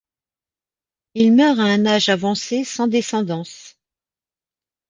Il meurt à un âge avancé, sans descendance.